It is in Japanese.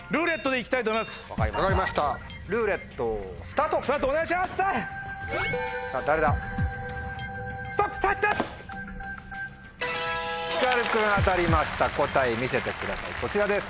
ひかる君当たりました答え見せてくださいこちらです。